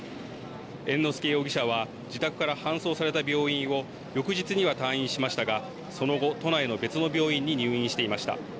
猿之助容疑者は自宅から搬送された病院を翌日には退院しましたがその後都内の別の病院に入院していました。